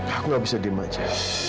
aku gak bisa demam aja